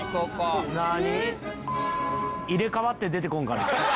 入れ替わって出てこんかな。